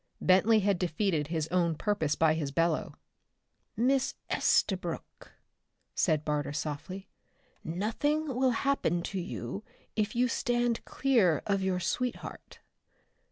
Bentley had defeated his own purpose by his bellow. "Miss Estabrook," said Barter softly, "nothing will happen to you if you stand clear of your sweetheart...."